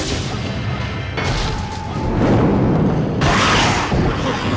aku tidak akan menang